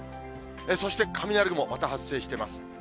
そして雷雲、また発生してます。